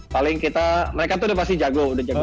paling kita mereka tuh udah pasti jago